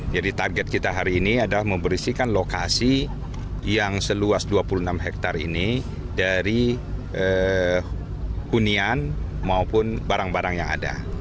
jadi target kita hari ini adalah memberisikan lokasi yang seluas dua puluh enam hektare ini dari hunian maupun barang barang yang ada